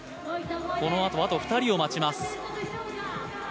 このあと、あと２人を待ちます。